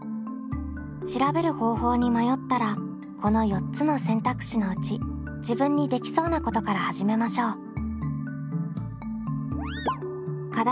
調べる方法に迷ったらこの４つの選択肢のうち自分にできそうなことから始めましょう。